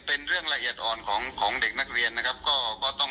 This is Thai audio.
เป็นเรื่องละเอียดอ่อนของของเด็กนักเรียนนะครับก็ก็ต้อง